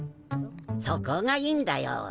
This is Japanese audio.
そこがいいんだよ。